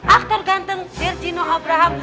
aktor ganteng zerjino abraham